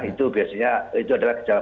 itu biasanya adalah kejahatan